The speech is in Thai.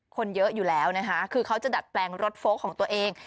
คนเยอะอยู่แล้วนะคะคือเขาจะดัดแปลงรถโฟลกของตัวเอง